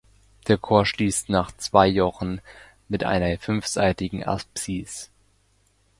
Der Chor schließt nach zwei Jochen mit einer fünfseitigen Apsis.